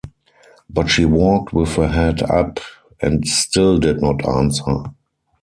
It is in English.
But she walked with her head up, and still did not answer.